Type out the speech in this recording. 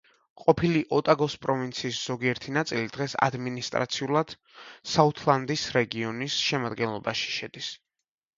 ყოფილი ოტაგოს პროვინციის ზოგიერთი ნაწილი დღეს ადმინისტრაციულად საუთლანდის რეგიონის შემადგენლობაში შედის.